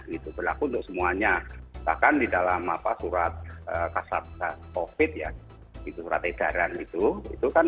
itu berlaku untuk semuanya bahkan di dalam apa surat kasar covid ya itu surat edaran itu itu kan